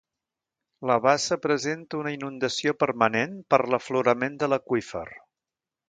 La bassa presenta una inundació permanent per l’aflorament de l’aqüífer.